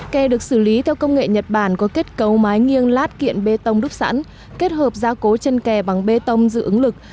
kè được xử lý theo công nghệ nhật bản có kết cấu mái nghiêng lát kiện bê tông đúc sẵn kết hợp gia cố chân kè bằng bê tông dự ứng lực